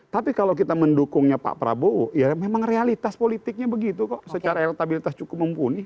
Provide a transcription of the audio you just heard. tapi kalau kita mendukungnya pak prabowo ya memang realitas politiknya begitu kok secara elektabilitas cukup mumpuni